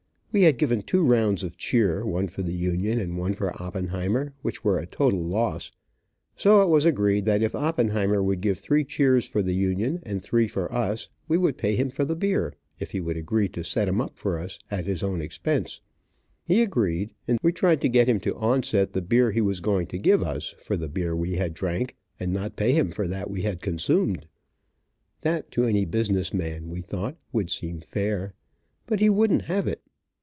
We had given two rounds of cheer, one for the Union and one for Oppenheimer, which were a total loss, so it was agreed that if Oppenheimer would give three cheers for the Union and three for us we would pay him for the beer, if he would agree to set 'em up for us, at his own expense. He agreed, and then we tried to get him to onset the beer he was going to give us, for the beer we had drank, and not pay him for that we had consumed. That, to any business man, we thought, would seem fair, but he wouldn't have it.